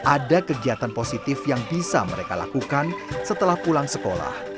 ada kegiatan positif yang bisa mereka lakukan setelah pulang sekolah